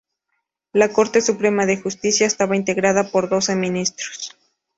La Corte Suprema de Justicia estaba integrada por doce Ministros.